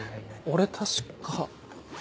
俺確か。